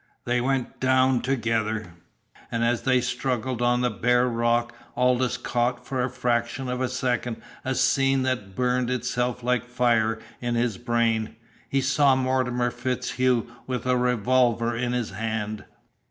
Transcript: They went down together, and as they struggled on the bare rock Aldous caught for a fraction of a second a scene that burned itself like fire in his brain. He saw Mortimer FitzHugh with a revolver in his hand.